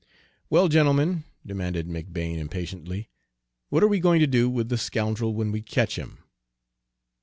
"Well, gentlemen," demanded McBane impatiently, "what are we going to do with the scoundrel when we catch him?"